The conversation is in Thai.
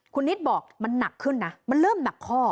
คุณนิดบอกมันหนักขึ้นนะมันเริ่มหนักข้อ